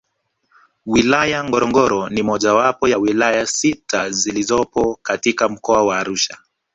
Wilaya Ngorongoro ni mojawapo ya wilaya sita zilizopo katika Mkoa wa Arusha